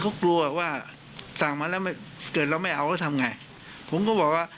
ก็กลัวว่าสั่งมาแล้วเกิดเราไม่เอาท่าเดี๋ยวทำไง